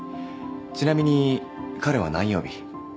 ちなみに彼は何曜日？